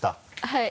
はい。